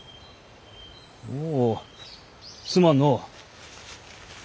おおすまんの。